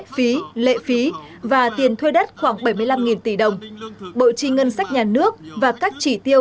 phí lệ phí và tiền thuê đất khoảng bảy mươi năm tỷ đồng bộ trì ngân sách nhà nước và các chỉ tiêu